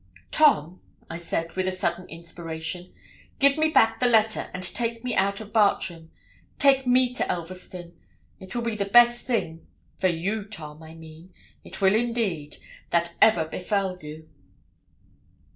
'Tom,' I said, with a sudden inspiration, 'give me back the letter, and take me out of Bartram; take me to Elverston; it will be the best thing for you, Tom, I mean it will indeed that ever befell you.'